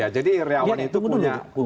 jadi riawan itu punya